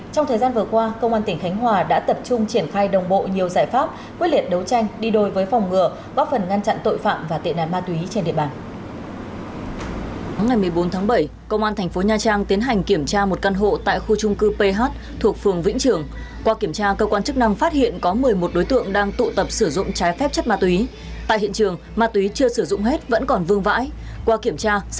trong thời gian vừa qua công an tỉnh khánh hòa đã tập trung triển khai đồng bộ nhiều giải pháp quyết liệt đấu tranh đi đôi với phòng ngừa góp phần ngăn chặn tội phạm và tệ nạn ma túy trên địa bàn